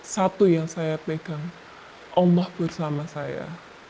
satu yang saya pegang allah bersama saya